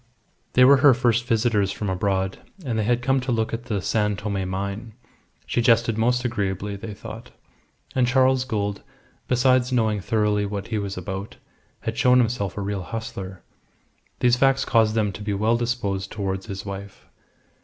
They were her first visitors from abroad, and they had come to look at the San Tome mine. She jested most agreeably, they thought; and Charles Gould, besides knowing thoroughly what he was about, had shown himself a real hustler. These facts caused them to be well disposed towards his wife.